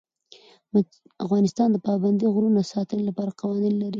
افغانستان د پابندی غرونه د ساتنې لپاره قوانین لري.